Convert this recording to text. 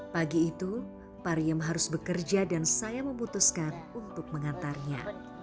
pagi itu pariem harus bekerja dan saya memutuskan untuk mengantarnya